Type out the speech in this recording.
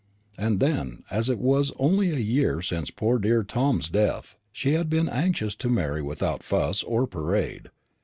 And then, as it was only a year since poor dear Tom's death, she had been anxious to marry without fuss or parade.